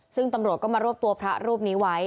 ซึ่งตำรวจก็มารวบตัวพระรูปนี้ไว้